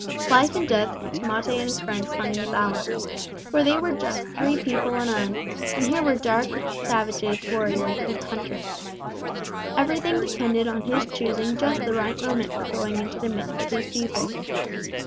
Life and death to Tamate and his friends hung in the balance, for they were three people unarmed, and here were dark savage warriors in hundreds. Everything depended on his choosing just the right moment for going into the midst of these people.